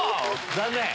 残念！